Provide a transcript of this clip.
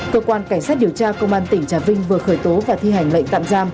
cơ quan cảnh sát điều tra công an tỉnh trà vinh vừa khởi tố và thi hành lệnh tạm giam